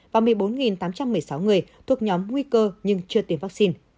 và một mươi bốn tám trăm một mươi sáu người thuộc nhóm nguy cơ nhưng chưa tiêm vaccine